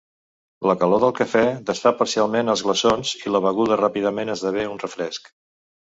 La calor del cafè desfà parcialment els glaçons i la beguda ràpidament esdevé un refresc.